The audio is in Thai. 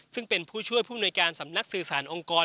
ซึ่งเป็นผู้ช่วยผู้มนวยการสำนักสื่อสารองค์กร